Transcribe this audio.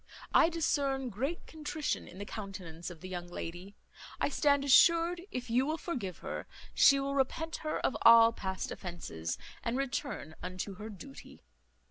I discern great contrition in the countenance of the young lady. I stand assured, if you will forgive her, she will repent her of all past offences, and return unto her duty."